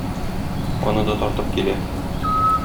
Аны да тартып килә